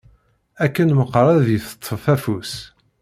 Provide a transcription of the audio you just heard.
Akken meqqar ad yi-teṭṭef afus.